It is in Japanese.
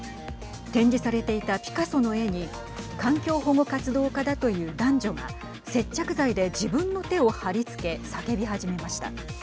展示されていたピカソの絵に環境保護活動家だという男女が接着剤で自分の手を貼りつけ叫び始めました。